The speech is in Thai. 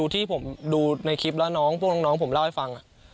ที่ผมดูในคลิปแล้วน้องพวกน้องผมเล่าให้ฟัง